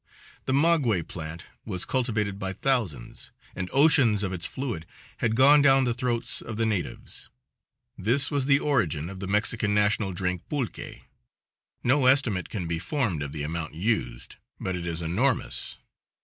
The maguey plant was cultivated by thousands, and oceans of its fluid had gone down the throats of the natives. This was the origin of the Mexican national drink, pulque. No estimate can be formed of the amount used, but it is enormous.